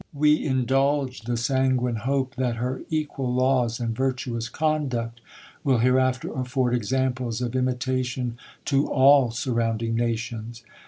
We indulge the sanguine hope, that her equal laws and virtuous conduct will hereafter aiTord examples of imitation to all surrounding nations.